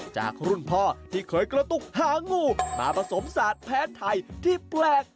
จากรุ่นพ่อที่เคยกระตุกหางูมาผสมศาสตร์แผนไทยที่แปลก